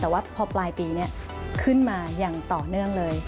แต่ว่าพอปลายปีนี้ขึ้นมาอย่างต่อเนื่องเลย